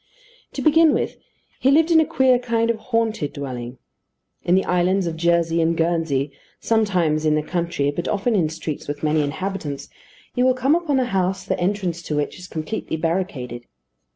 To begin with, he lived in a queer kind of "haunted" dwelling. In the islands of Jersey and Guernsey, sometimes in the country, but often in streets with many inhabitants, you will come upon a house the entrance to which is completely barricaded.